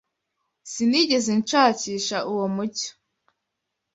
Sinigeze nshakisha uwo mucyo